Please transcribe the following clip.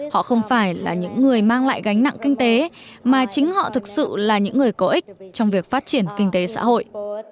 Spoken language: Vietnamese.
họ không phải là những người mang lại gánh nặng kinh tế mà chính họ thực sự là những người có ích trong việc phát triển kinh tế xã hội